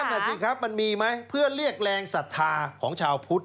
นั่นน่ะสิครับมันมีไหมเพื่อเรียกแรงศรัทธาของชาวพุทธ